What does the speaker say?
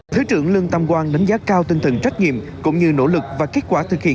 thứ trưởng lương tam quang đánh giá cao tinh thần trách nhiệm cũng như nỗ lực và kết quả thực hiện